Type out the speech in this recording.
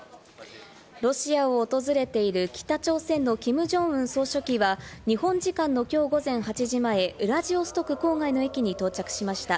ロシアを訪れている北朝鮮のキム・ジョンウン総書記は日本時間のきょう午前８時前、ウラジオストク郊外の駅に到着しました。